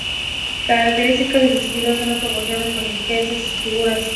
Características de su estilo son las proporciones manieristas de sus figuras.